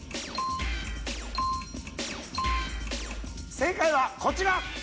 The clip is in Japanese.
正解はこちら！